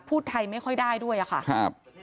พูดไทยไม่ค่อยได้ด้วยค่ะ